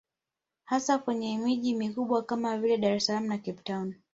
Hasa kwenye miji mikubwa kama vile Dar es salaam na Cape town